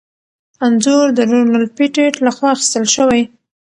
انځور د ډونلډ پېټټ لخوا اخیستل شوی.